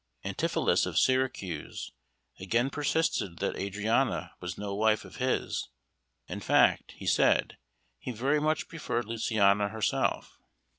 Antipholus of Syracuse again persisted that Adriana was no wife of his; in fact, he said, he very much preferred Luciana herself.